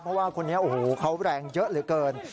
เพราะว่าคนนี้โอ้โหเขาแรงเยอะเหลือเกิน